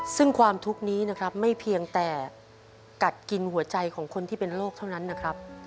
ซึ่งความทุกข์นี้นะครับไม่เพียงแต่กัดกินหัวใจของคนที่เป็นโรคเท่านั้นนะครับ